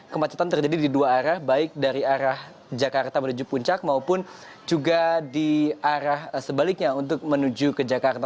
kemacetan terjadi di dua arah baik dari arah jakarta menuju puncak maupun juga di arah sebaliknya untuk menuju ke jakarta